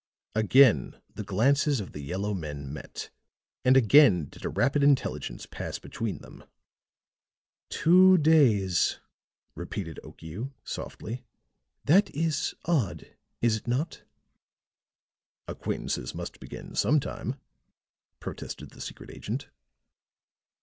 Again the glances of the yellow men met, and again did a rapid intelligence pass between them. "Two days," repeated Okiu, softly. "That is odd, is it not?" "Acquaintances must begin some time," protested the secret agent.